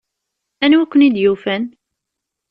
Anwa i ken-id-yufan?